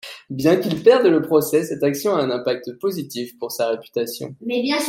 Bien qu'il perde le procès, cette action a un impact positif pour sa réputation.